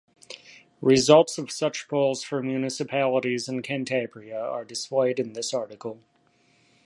Results of such polls for municipalities in Cantabria are displayed in this article.